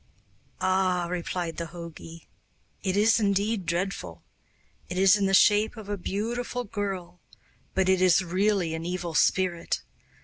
'Ah!' replied the jogi, 'it is indeed dreadful. It is in the shape of a beautiful girl, but it is really an evil spirit.